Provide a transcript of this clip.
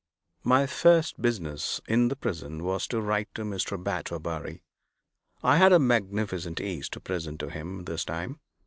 My first business in the prison was to write to Mr. Batterbury. I had a magnificent ease to present to him, this time.